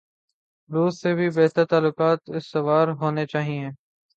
روس سے بھی بہتر تعلقات استوار ہونے چائیں۔